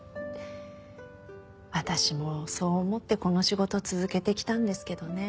私もそう思ってこの仕事続けてきたんですけどね。